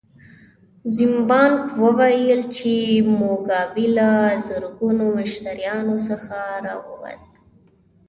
زیمبانک وویل چې موګابي له زرګونو مشتریانو څخه راووت.